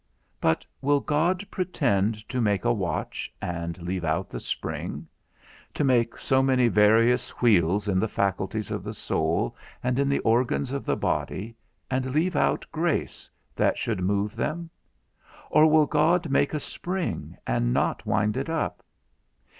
But will God pretend to make a watch, and leave out the spring? to make so many various wheels in the faculties of the soul, and in the organs of the body, and leave out grace, that should move them? or will God make a spring, and not wind it up?